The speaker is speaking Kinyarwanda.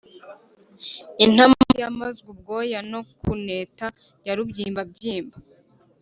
Intamati yamazwe ubwoya no kuneta ya rubyimbabyimba,